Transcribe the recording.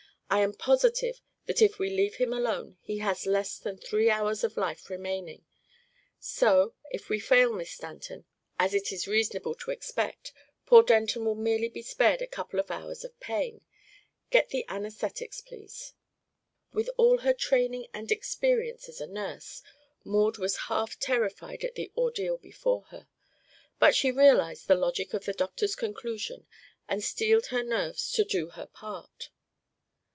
I am positive that if we leave him alone he has less than three hours of life remaining; so, if we fail, Miss Stanton, as it is reasonable to expect, poor Denton will merely be spared a couple of hours of pain. Get the anaesthetics, please." With all her training and experience as a nurse, Maud was half terrified at the ordeal before her. But she realized the logic of the doctor's conclusion and steeled her nerves to do her part.